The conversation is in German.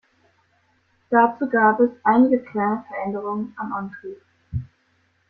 Dazu gab es einige kleine Veränderungen am Antrieb.